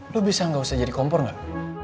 lo bisa gak usah jadi kompor gak